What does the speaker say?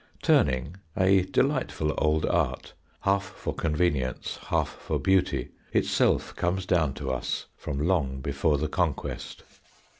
Turning, a delightful old art, half for convenience, half for beauty, itself comes down to us from long before the Conquest.